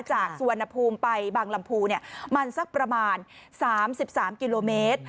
จากสุวรรณภูมิไปบางลำพูมันสักประมาณ๓๓กิโลเมตร